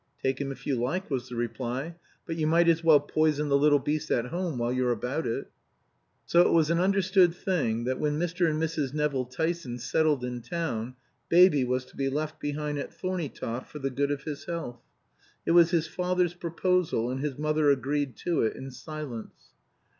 "Take him if you like," was the reply. "But you might as well poison the little beast at home while you're about it." So it was an understood thing that when Mr. and Mrs. Nevill Tyson settled in town, Baby was to be left behind at Thorneytoft for the good of his health. It was his father's proposal, and his mother agreed to it in silence.